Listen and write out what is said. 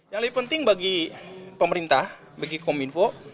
yang lebih penting bagi pemerintah bagi kominfo